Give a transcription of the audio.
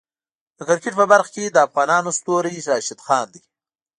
د کرکټ په برخه کې د افغانو ستوری راشد خان دی.